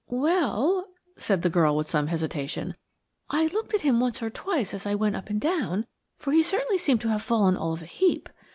"Well," said the girl with some hesitation, "I looked at him once or twice as I went up and down, for he certainly seemed to have fallen all of a heap.